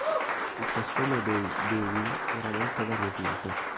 Il costume dei "deli" era molto variopinto.